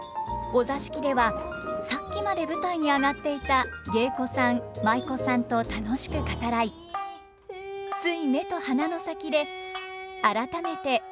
お座敷ではさっきまで舞台に上がっていた芸妓さん舞妓さんと楽しく語らいつい目と鼻の先で改めて艶やかな芸を愛でる。